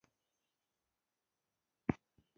دوی د اوپک سازمان غړي دي.